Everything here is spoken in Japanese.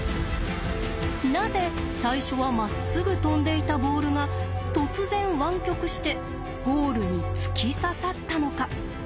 なぜ最初はまっすぐ飛んでいたボールが突然湾曲してゴールに突き刺さったのか？